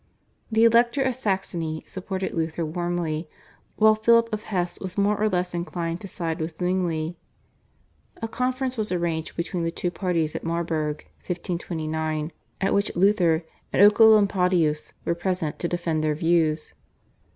The Elector of Saxony supported Luther warmly, while Philip of Hesse was more or less inclined to side with Zwingli. A conference was arranged between the two parties at Marburg (1529), at which Luther and Oecolampadius were present to defend their views.